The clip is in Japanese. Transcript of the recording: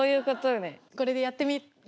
これでやってみる？